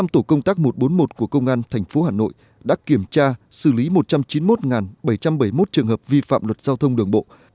năm tổ công tác một trăm bốn mươi một của công an tp hà nội đã kiểm tra xử lý một trăm chín mươi một bảy trăm bảy mươi một trường hợp vi phạm luật giao thông đường bộ